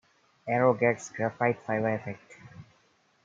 Aero gets graphite fiber effect.